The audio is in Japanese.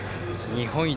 日本一！